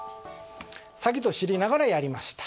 詐欺と知りながらやりました。